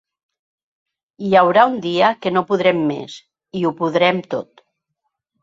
"Hi haurà un dia que no podrem més, i ho podrem tot".